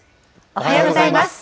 おはようございます。